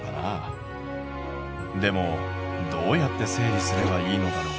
でもどうやって整理すればいいのだろう？